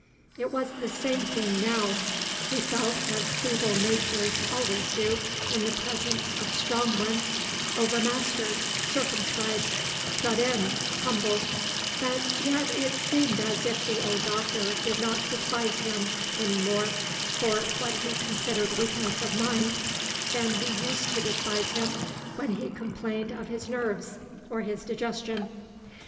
It was the same thing now. He felt, as feeble natures always do in the presence of strong ones, overmastered, circumscribed, shut in, humbled; but yet it seemed as if the old Doctor did not despise him any more for what he considered weakness of mind than he used to despise him when he complained of his nerves or his digestion.